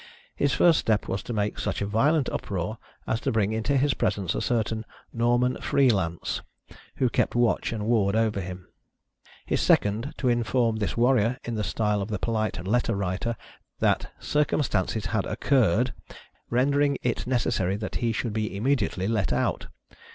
His first step was to make such a violent uproar as to bring into his presence a certain " Norman Free Lance " who kept watch and ward over him. His second, to inform this warrior, in the style of the Polite Letter Writer, that "circumstances had oc 176 THE AMUSEMENTS OF THE PEOPLE. curred" rendering it necessary that lie should be immedi ately let out.